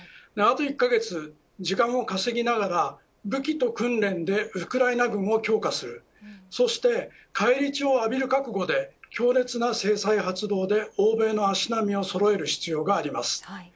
あと１カ月、時間を稼ぎながら武器と訓練でウクライナ軍を強化するそして返り血を浴びる覚悟で強烈な制裁発動で欧米の足並みをそろえる必要があります。